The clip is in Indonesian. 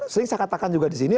sering saya katakan juga di sini